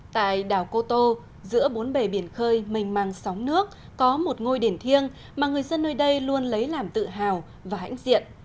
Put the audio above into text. tại đảo cô tô giữa bốn bể biển khơi mình mang sóng nước có một ngôi đền thiêng mà người dân nơi đây luôn lấy làm tự hào và hãnh diện